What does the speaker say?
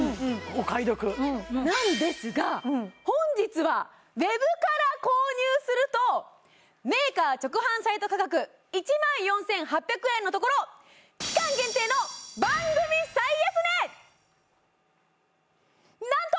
お買い得うんうんなんですが本日はウェブから購入するとメーカー直販サイト価格１４８００円のところ期間限定の番組最安値！